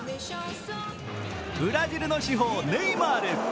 ブラジルの至宝・ネイマール。